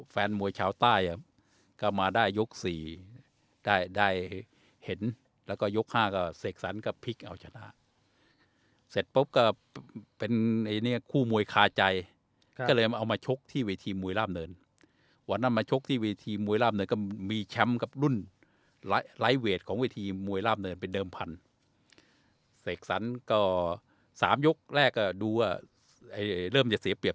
แฟนมวยชาวใต้อ่ะก็มาได้ยกสี่ได้ได้เห็นแล้วก็ยกห้าก็เสกสรรก็พลิกเอาชนะเสร็จปุ๊บก็เป็นไอ้เนี้ยคู่มวยคาใจก็เลยมาเอามาชกที่เวทีมวยราบเนินวันนั้นมาชกที่เวทีมวยราบเนินก็มีแชมป์กับรุ่นไลท์เวทของเวทีมวยราบเนินเป็นเดิมพันเสกสรรก็สามยกแรกก็ดูว่าเริ่มจะเสียเปรียบ